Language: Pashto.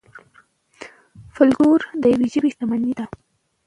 فولکلور د یوې ژبې شتمني ده.